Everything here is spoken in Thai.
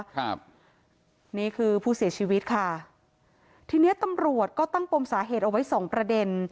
ครับนี่คือผู้เสียชีวิตค่ะทีเนี้ยตำรวจก็ตั้งปมสาเหตุเอาไว้สองประเด็น